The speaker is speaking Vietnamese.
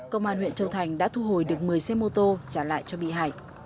công an huyện châu thành đã thu hồi được một mươi xe mô tô trả lại cho bị hại